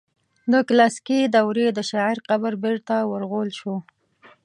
د کلاسیکي دورې د شاعر قبر بیرته ورغول شو.